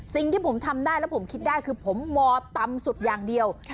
สิ่งที่ผมทำได้แล้วผมคิดได้คือผมมอต่ำสุดอย่างเดียว